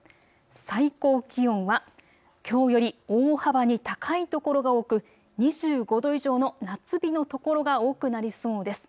最高気温はきょうより大幅に高い所が多く２５度以上の夏日の所が多くなりそうです。